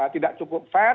tidak cukup fair